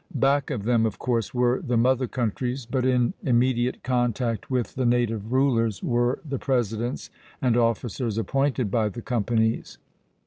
Back of them, of course, were the mother countries; but in immediate contact with the native rulers were the presidents and officers appointed by the companies.